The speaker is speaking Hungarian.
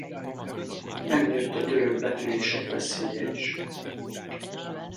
Megnőtt a török betörések veszélye is.